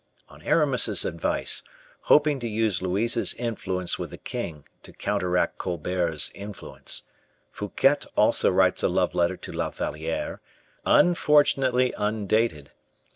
On Aramis's advice, hoping to use Louise's influence with the king to counteract Colbert's influence, Fouquet also writes a love letter to La Valliere, unfortunately undated.